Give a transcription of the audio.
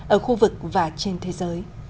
ở khu vực và trên thế giới